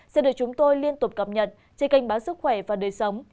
sẽ được chúng tôi liên tục cập nhật trên kênh bán sức khỏe và đời sống